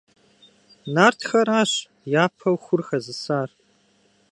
Нартхэращ япэу хур хэзысар.